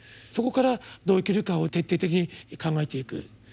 そこからどう生きるかを徹底的に考えていく。